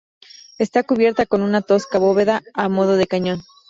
Está cubierta con una tosca bóveda a modo de cañón.